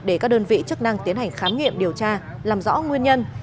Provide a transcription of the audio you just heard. để các đơn vị chức năng tiến hành khám nghiệm điều tra làm rõ nguyên nhân